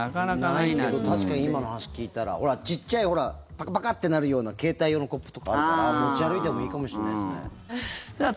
ないけど確かに今の話聞いたらほら、小っちゃいパカパカってなるような携帯用のコップとかあるから持ち歩いてもいいかもしれないですね。